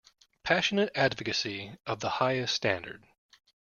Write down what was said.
Passionate advocacy of the highest standard.